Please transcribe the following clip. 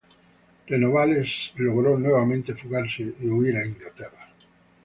Renovales logró nuevamente fugarse y huir a Inglaterra.